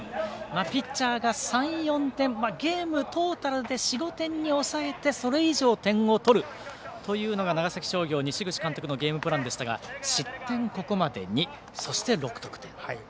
ピッチャーが３４点ゲームトータルで４５に抑えてそれ以上、点を取るというのが長崎商業西口監督のゲームプランでしたが失点ここまで２そして、６得点。